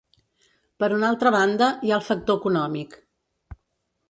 Per una altra banda, hi ha el factor econòmic.